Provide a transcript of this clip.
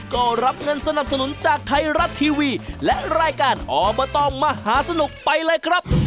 ก็รับเงินสนับสนุนจากไทยรัฐทีวีและรายการอบตมหาสนุกไปเลยครับ